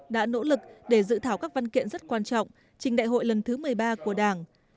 đã nỗ lực để dự thảo các văn kiện rất quan trọng trên đại hội lần thứ một mươi ba của đảng